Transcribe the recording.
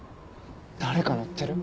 誰か乗ってる？